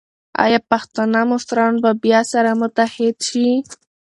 ایا پښتانه مشران به بیا سره متحد شي؟